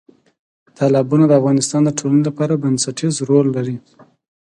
تالابونه د افغانستان د ټولنې لپاره بنسټیز رول لري.